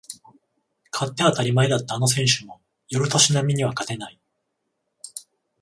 勝って当たり前だったあの選手も寄る年波には勝てない